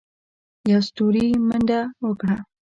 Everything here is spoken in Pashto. يوه ستوري منډه وکړه.